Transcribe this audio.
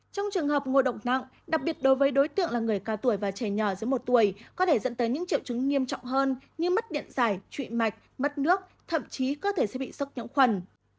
trong trường hợp ngộ độc nặng đặc biệt đối với đối tượng là người cao tuổi và trẻ nhỏ dưới một tuổi có thể dẫn tới những triệu chứng nghiêm trọng hơn như mất điện giải trụy mạch mất nước thậm chí cơ thể sẽ bị sốc nhiễm khuẩn